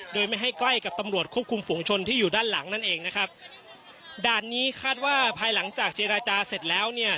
โดยไม่ให้ใกล้กับตำรวจควบคุมฝุงชนที่อยู่ด้านหลังนั่นเองนะครับด่านนี้คาดว่าภายหลังจากเจรจาเสร็จแล้วเนี่ย